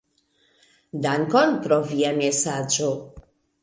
Dankon pro via mesaĝo.